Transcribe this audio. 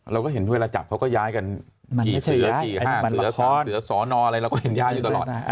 เราก็เห็นเวลาจับเขาก็ย้ายกันกี่เสือกี่ห้าเสือสองเสือสอนออะไรเราก็เห็นย้ายอยู่ตลอด